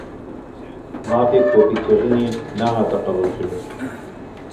Mafê kopî kirinê ne hate qebûl kirin